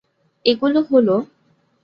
এগুলো হল